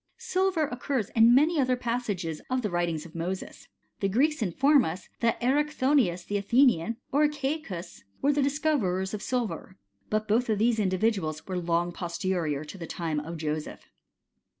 Silver occurs in many other passages of the writings of Moses. f The Greeks inform us, that Erichthonius the Athenian, or Ceacus, were the discoverers of silver ; but both of these individuals were long posterior to the time of Joseph.